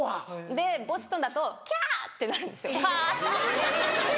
でボストンだと「キャー」ってなるんですよ。